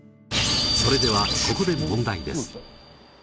それではここで問題です。